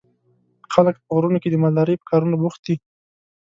خلک په غرونو کې د مالدارۍ په کارونو بوخت دي.